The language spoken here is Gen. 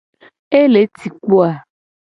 Ele ci kpo a?